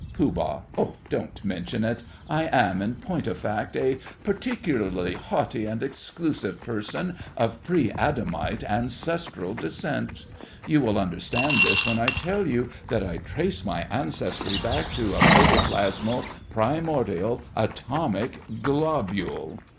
POOH. Don't mention it. I am, in point of fact, a particularly haughty and exclusive person, of pre Adamite ancestral descent. You will understand this when I tell you that I can trace my ancestry back to a protoplasmal primordial atomic globule.